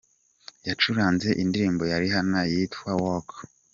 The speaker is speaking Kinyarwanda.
Yacuranze indirimbo ya Rihanna yitwa ‘Work’.